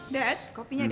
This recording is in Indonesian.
dad kopinya dad